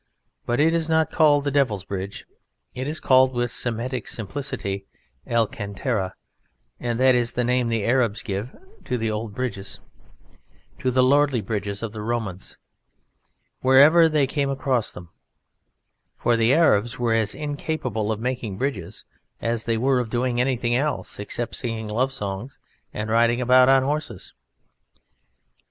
But it is not called the Devil's Bridge. It is called with Semitic simplicity "El Kantara," and that is the name the Arabs gave to the old bridges, to the lordly bridges of the Romans, wherever they came across them, for the Arabs were as incapable of making bridges as they were of doing anything else except singing love songs and riding about on horses.